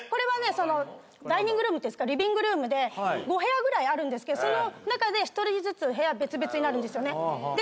そのダイニングルームですかリビングルームで５部屋ぐらいあるんですけどその中で１人ずつ部屋別々になるんですよね